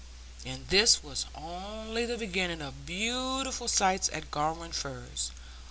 And this was only the beginning of beautiful sights at Garum Firs.